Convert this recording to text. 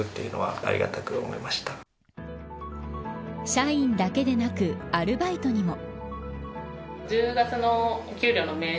社員だけでなくアルバイトにも。